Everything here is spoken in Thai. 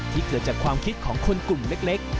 เกิดจากความคิดของคนกลุ่มเล็ก